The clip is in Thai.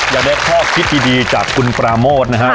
อย่าได้พอกิจดีจากคุณปราโมดนะฮะ